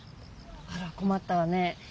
あらこまったわね。